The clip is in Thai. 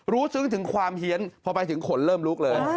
ซึ้งถึงความเฮียนพอไปถึงขนเริ่มลุกเลย